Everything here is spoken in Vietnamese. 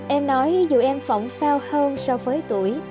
em nói dù em phỏng phao hơn so với tuổi